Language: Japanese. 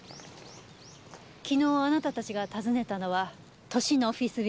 昨日あなたたちが訪ねたのは都心のオフィスビル。